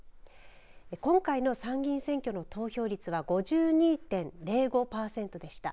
今回の参議院選挙の投票率は５２．０５パーセントでした。